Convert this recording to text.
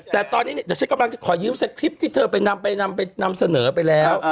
แต่ฉันกำลังจะขอยืมเซ็ทคลิปที่เธอไปนำเสนอไปแล้ว